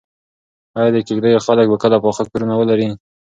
ایا د کيږديو خلک به کله پاخه کورونه ولري؟